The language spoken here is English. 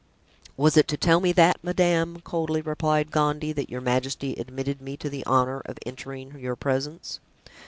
"Was it to tell me that, madame," coldly replied Gondy, "that your majesty admitted me to the honor of entering your presence?"